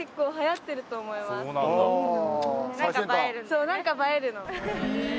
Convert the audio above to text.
そう何か映えるの。